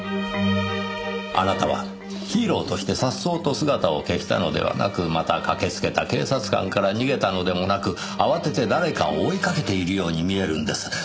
あなたはヒーローとしてさっそうと姿を消したのではなくまた駆けつけた警察官から逃げたのでもなく慌てて誰かを追いかけているように見えるんです。